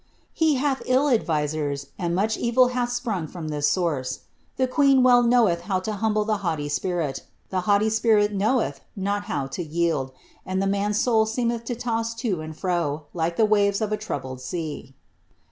lie hath ill advisers, and much evil hath spmng froin this source. The queen well knowelh how 10 humble the haughiy spirit, the haughty spirit knowelh noi how 10 yield, and the man's soul Beemetli tossed lo and fro, like the waves of a troubled sea."